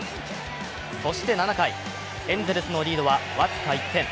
そして７回、エンゼルスのリードは僅か１点。